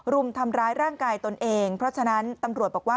รุมทำร้ายร่างกายตนเองเพราะฉะนั้นตำรวจบอกว่า